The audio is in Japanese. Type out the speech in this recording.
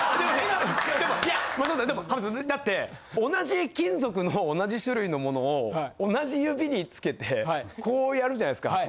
でもだって同じ金属の同じ種類の物を同じ指につけてこうやるじゃないですか。